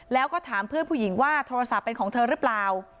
แล้วก็ถามเพื่อนผู้หญิงว่าโทรศัพท์เป็นของเธอหรือเปล่า